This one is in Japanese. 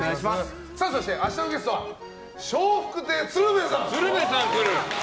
そして明日のゲストは笑福亭鶴瓶さん！